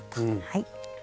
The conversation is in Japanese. はい。